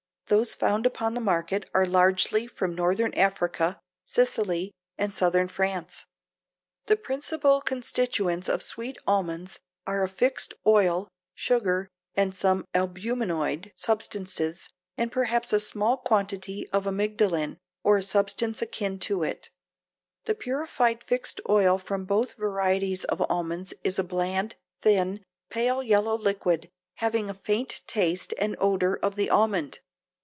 Those found upon the market are largely from northern Africa, Sicily and southern France. The principal constituents of sweet almonds are a fixed oil, sugar, some albuminoid substances, and perhaps a small quantity of amygdalin or a substance akin to it. The purified fixed oil from both varieties of almonds is a bland, thin, pale yellow liquid, having a faint taste and odor of the almond.